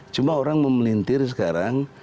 cuma orang memelintir sekarang